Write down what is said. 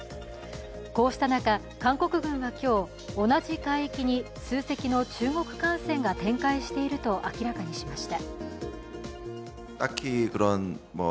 こうした中、韓国軍が今日、同じ海域に数隻の中国艦船が展開していると明らかにしました。